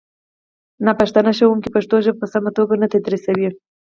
ناپښتانه ښوونکي پښتو ژبه په سمه توګه نه تدریسوي